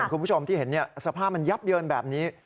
คุณผู้ชมที่เห็นสภาพมันยับเยินแบบนี้